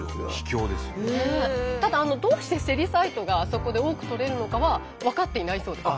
ただどうしてセリサイトがあそこで多く採れるのかは分かっていないそうです。